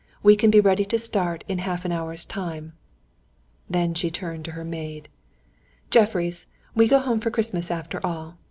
We can be ready to start in half an hour's time." Then she turned to her maid. "Jeffreys, we go home for Christmas after all.